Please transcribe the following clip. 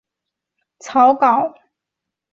海伦伯格和编剧希尔将其写成了草稿。